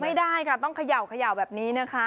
ไม่ได้ค่ะต้องเขย่าแบบนี้นะคะ